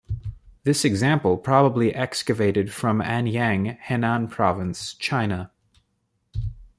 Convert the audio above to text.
This example probably excavated from Anyang, Henan province, China.